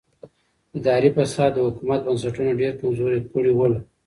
اداري فساد د حکومت بنسټونه ډېر کمزوري کړي ول.